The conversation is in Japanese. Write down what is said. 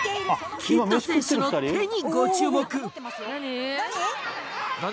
キッド選手の手にご注目。